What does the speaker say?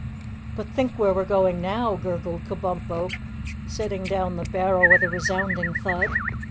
"But think where we're going now," gurgled Kabumpo, setting down the barrel with a resounding thud.